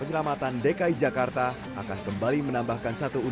penanggulangan kebakaran dan penyelamatan dki jakarta akan kembali menambahkan satu